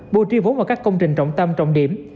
bùa tri vốn vào các công trình trọng tâm trọng điểm